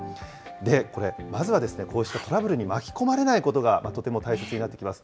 で、これ、まずはですね、こうしたトラブルに巻き込まれないことが、とても大切になってきます。